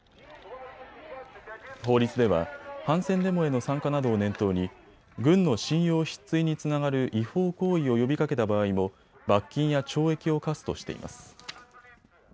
法律では反戦デモへの参加などを念頭に軍の信用失墜につながる違法行為を呼びかけた場合も罰金や懲役を科すとしています。